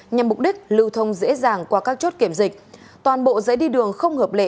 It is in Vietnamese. nhằm mục đích lưu thông dễ dàng qua các chốt kiểm dịch toàn bộ giấy đi đường không hợp lệ